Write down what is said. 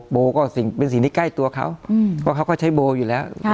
โบก็เป็นสิ่งที่ใกล้ตัวเขาเพราะเขาก็ใช้โบอยู่แล้ว